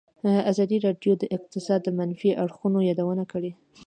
ازادي راډیو د اقتصاد د منفي اړخونو یادونه کړې.